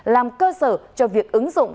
làm cơ sở cho việc ứng dụng